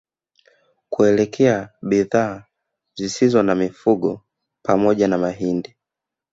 Kuelekea bidhaa zisizo za mifugo pamoja na mahindi